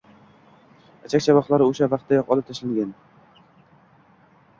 Ichak-chavoqlari... o‘sha vaqtdayoq olib tashlangan.